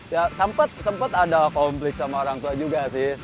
ya sempat ada konflik sama orang tua juga sih